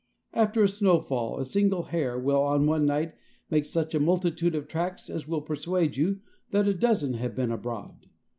After a snowfall a single hare will in one night make such a multitude of tracks as will persuade you that a dozen have been abroad.